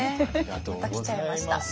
また来ちゃいました。